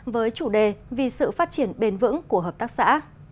với chủ đề vì sự phát triển bền vững của hợp tác xã